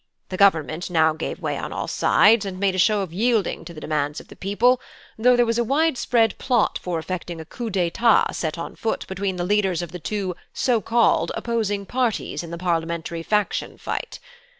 The Government now gave way on all sides, and made a show of yielding to the demands of the people, though there was a widespread plot for effecting a coup d'etat set on foot between the leaders of the two so called opposing parties in the parliamentary faction fight.